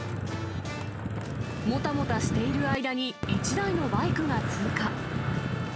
もたもたしている間に、１台のバイクが通過。